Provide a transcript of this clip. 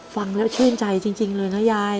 ฟังแล้วชื่นใจจริงเลยนะยาย